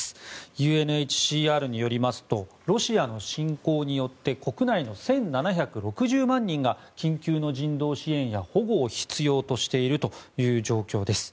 ＵＮＨＣＲによりますとロシアの侵攻によって国内の１７６０万人が緊急の人道支援や保護を必要としているという状況です。